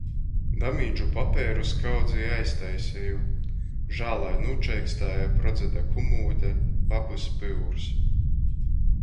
Damīdžu papeiru skaudzi i aiztaiseju. Žālai nūčeikstēja prodzeda kumūde. Babys pyurs.